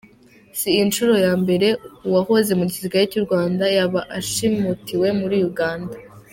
Si inshuro ya mbere uwahoze mu gisirikare cy’u Rwanda yaba ashimutiwe muri Uganda.